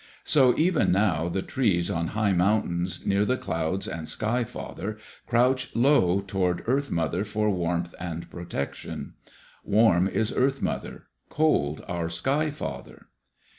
So even now the trees on high mountains near the clouds and Sky father, crouch low toward Earth mother for warmth and protection. Warm is Earth mother, cold our Sky father.